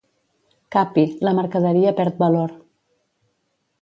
Capi, la mercaderia perd valor.